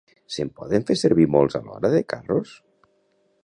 Se'n poden fer servir molts alhora, de carros?